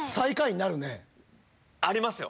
ありますよ。